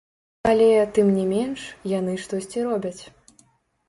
Але, тым не менш, яны штосьці робяць.